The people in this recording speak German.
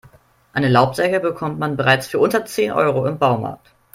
Eine Laubsäge bekommt man bereits für unter zehn Euro im Baumarkt.